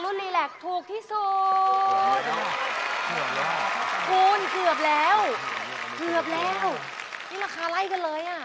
เกือบแล้วคุณเกือบแล้วเกือบแล้วนี่ระคาไล่กันเลยอ่ะ